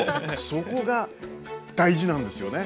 そこが大事なんですよね？